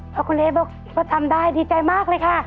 เพราะคุณเอ๊บอกก็ทำได้ดีใจมากเลยค่ะ